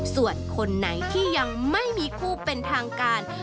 ส่วนคนไหนที่ยังไม่มีคู่เป็นทางการ